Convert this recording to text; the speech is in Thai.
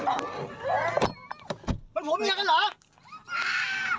มันผัวเมียกันเหรอ